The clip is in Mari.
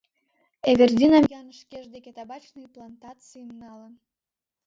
Эвердинам Ян шкеж деке табачный плантацийым налын.